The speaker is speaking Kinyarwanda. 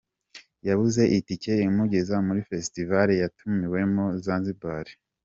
yabuze itike imugeza muri Fesitivali yatumiwemo muri Zanzibar